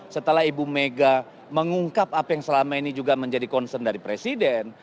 setelah ibu mega mengungkap apa yang selama ini juga menjadi concern dari presiden